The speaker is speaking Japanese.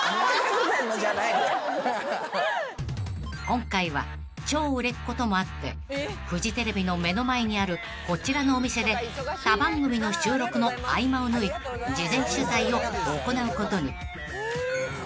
［今回は超売れっ子ともあってフジテレビの目の前にあるこちらのお店で他番組の収録の合間を縫い事前取材を行うことに］